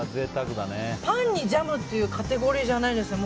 パンにジャムっていうカテゴリーじゃないですね。